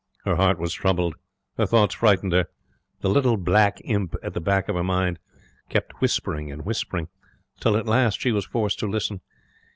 Her heart was troubled. Her thoughts frightened her. The little black imp at the back of her mind kept whispering and whispering, till at last she was forced to listen.